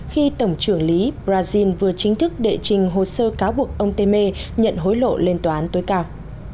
khi tổng trưởng lý brazil vừa chính thức đệ trình hồ sơ cáo buộc ông temer nhận hối lộ lên tòa án tối cao